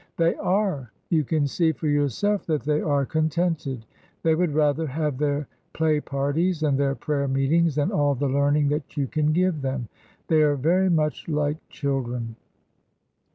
They are. You can see for yourself that they are contented. They would rather have their play parties and their prayer meetings than all the learning that you can give them. They are very much like children."